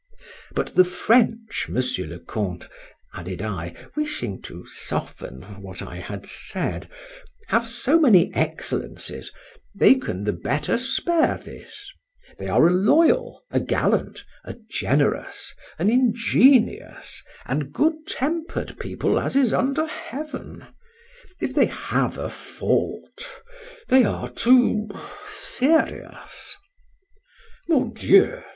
—But the French, Monsieur le Count, added I (wishing to soften what I had said), have so many excellences, they can the better spare this;—they are a loyal, a gallant, a generous, an ingenious, and good temper'd people as is under heaven;—if they have a fault—they are too serious. Mon Dieu!